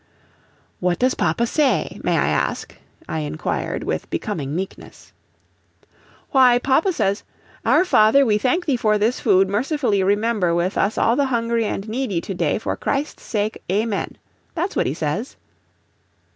"What does papa say, may I ask?" I inquired, with becoming meekness. "Why, papa says, 'Our Father, we thank thee for this food; mercifully remember with us all the hungry and needy to day, for Christ's sake, Amen.' That's what he says."